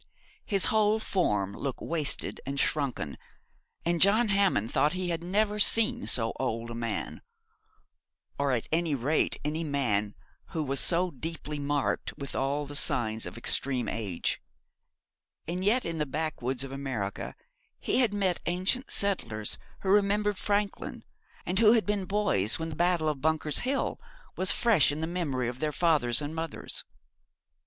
His whole form looked wasted and shrunken, and John Hammond thought he had never seen so old a man or at any rate any man who was so deeply marked with all the signs of extreme age; and yet in the backwoods of America he had met ancient settlers who remembered Franklin, and who had been boys when the battle of Bunker's Hill was fresh in the memory of their fathers and mothers.